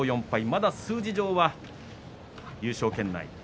まだ数字上は優勝圏内。